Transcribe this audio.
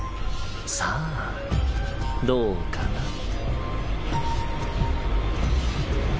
さあどうかな？